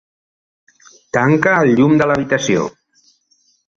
Tanca el llum de l'habitació.